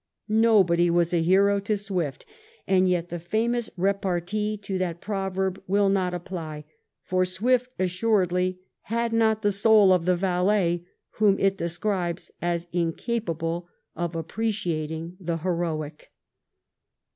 Nobody was a hero to Swift, and yet the famous repartee to that proverb will not apply, for Swift, assuredly, had not the soul of the valet whom it describes as incapable of approaching the heroic.